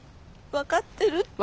分かってるって。